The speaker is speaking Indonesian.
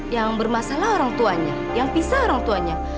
yang bermasalah orang tuanya yang pisah orang tuanya